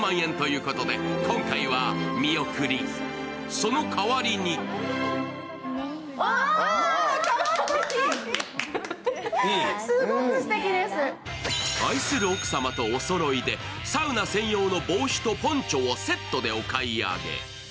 その代わりに愛する奥様とおそろいでサウナ専用の帽子とポンチョをセットでお買い上げ。